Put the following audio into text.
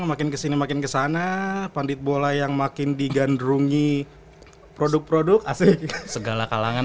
makin kesini makin kesana pandit bola yang makin digandrungi produk produk asli segala kalangan